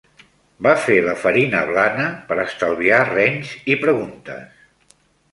Va fer la farina blana per estalviar renys i preguntes.